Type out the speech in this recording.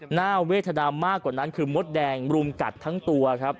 หน้าเวทนามากกว่านั้นคือมดแดงรุมกัดทั้งตัวครับ